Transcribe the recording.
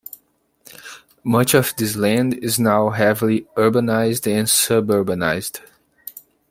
Much of this land is now heavily urbanized and suburbanized.